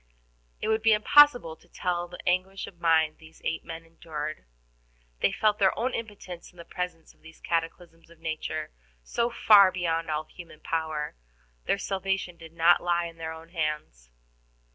It would be impossible to tell the anguish of mind these eight men endured; they felt their own impotence in the presence of these cataclysms of nature so far beyond all human power. Their salvation did not lie in their own hands.